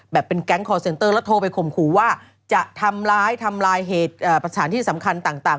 เป็นแก๊งคอร์เซ็นเตอร์แล้วโทรไปข่มขู่ว่าจะทำร้ายทำลายเหตุสถานที่สำคัญต่าง